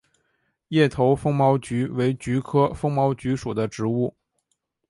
叶头风毛菊为菊科风毛菊属的植物。